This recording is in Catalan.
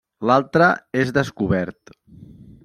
L'altra és descobert.